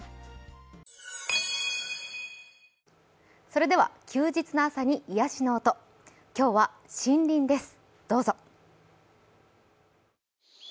それでは、休日の朝に癒やしの音。今日は、森林です。